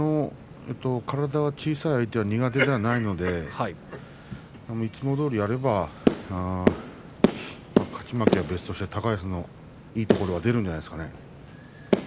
体小さい相手に苦手ではないのでいつもどおりやれば勝ち負けは別として高安のいいところが出るんじゃないですかね。